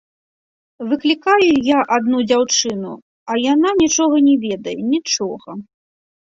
Выклікаю я адну дзяўчыну, а яна нічога не ведае, нічога.